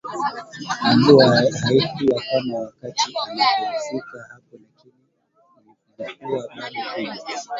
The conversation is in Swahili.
Mvua haikuwa kama wakati anafika hapo lakini ilikuwa bado kubwa